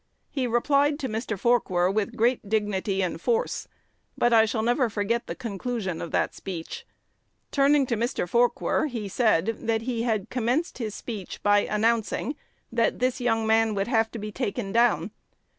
He replied to Mr. Forquer with great dignity and force; but I shall never forget the conclusion of that speech. Turning to Mr. Forquer, he said, that he had commenced his speech by announcing that 'this young man would have to be taken down.'